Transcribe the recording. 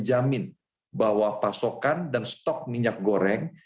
menjamin bahwa pasokan dan stok minyak goreng